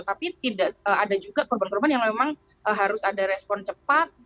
tapi tidak ada juga korban korban yang memang harus ada respon cepat